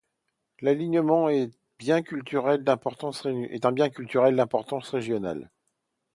L'alignement est un bien culturel d'importance régionale.